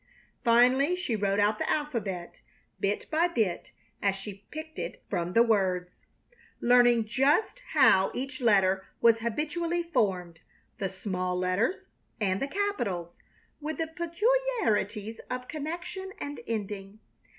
Finally she wrote out the alphabet, bit by bit as she picked it from the words, learning just how each letter was habitually formed, the small letters and the capitals, with the peculiarities of connection and ending.